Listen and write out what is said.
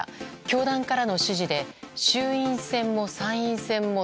教団からの指示で衆院選も参院選も